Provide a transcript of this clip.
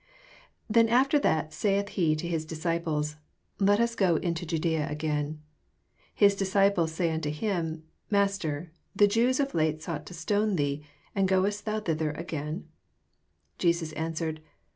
7 Then after that aith he to Au dis eiplee, Let us go into Jadsea again. 8 Hi9 diaoiples Bay unto him, Mas ter, the Jews of late fx>ught to stone thee; and goest tiion thither again 7 9 Jesus answered.